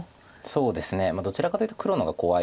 そうですねどちらかというと黒の方が怖いですか。